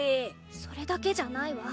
それだけじゃないわ。